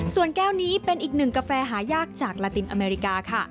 ส่วนแก้วนี้เป็นอีกหนึ่งกาแฟหายากจากลาตินอเมริกาค่ะ